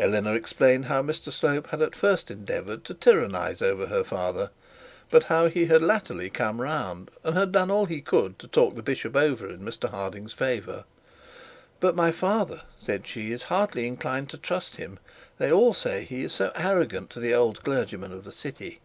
Eleanor explained how Mr Slope had at first endeavoured to tyrannize over her father, but how he had latterly come round, and done all he could to talk the bishop over in Mr Harding's favour. 'But my father,' said she, 'is hardly inclined to trust him; they all say he is so arrogant to the old clergyman of the city.'